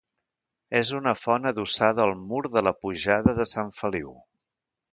És una font adossada al mur de la pujada de Sant Feliu.